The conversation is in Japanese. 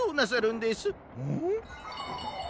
ん？